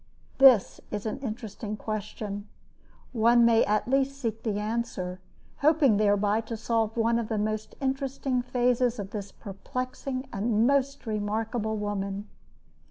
This is an interesting question. One may at least seek the answer, hoping thereby to solve one of the most interesting phases of this perplexing and most remarkable woman.